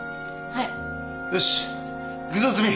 はい。